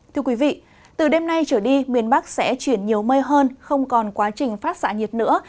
thưa quý vị từ đêm nay trở đi miền bắc sẽ chuyển nhiều mây hơn không còn quá trình phát xạ nhiệt nữa